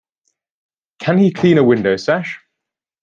Can he clean a window sash?